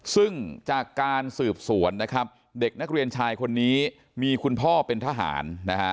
ซึ่งจากการสืบสวนนะครับเด็กนักเรียนชายคนนี้มีคุณพ่อเป็นทหารนะฮะ